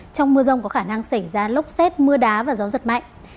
trong mưa rông có khả năng xảy ra lốc xét mưa đá và gió giật mạnh